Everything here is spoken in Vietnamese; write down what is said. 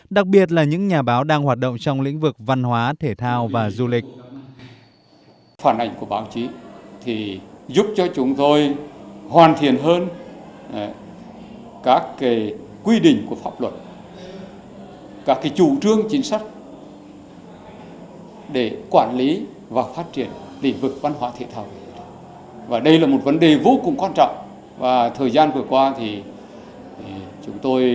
đặc biệt là những nhà báo đang hoạt động trong lĩnh vực văn hóa thể thao và du lịch